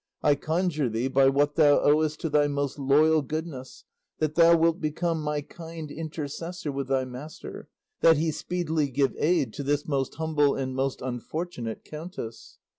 I conjure thee, by what thou owest to thy most loyal goodness, that thou wilt become my kind intercessor with thy master, that he speedily give aid to this most humble and most unfortunate countess."